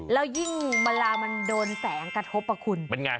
แล้วยิ่งเวลามันโดนแสงกระทบอ่ะคุณเป็นไง